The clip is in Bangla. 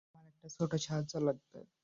আমার একটা ছোট সাহায্য লাগবে।